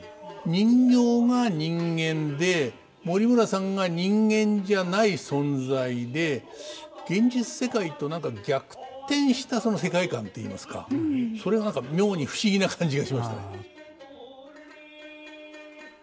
人形が人間で森村さんが人間じゃない存在で現実世界と何か逆転したその世界観といいますかそれが何か妙に不思議な感じがしましたね。